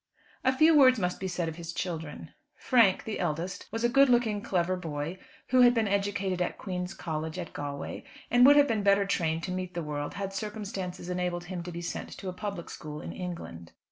A few words must be said of his children. Frank, the eldest, was a good looking, clever boy, who had been educated at the Queen's College, at Galway, and would have been better trained to meet the world had circumstances enabled him to be sent to a public school in England.